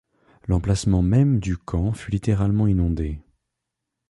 L’emplacement même du camp fut littéralement inondé.